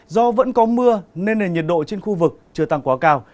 do vẫn có mưa nên nền nhiệt độ trên khu vực chưa tăng quá cao